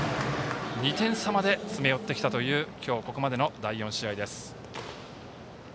２点差まで詰め寄ってきたという今日ここまでの第４試合です。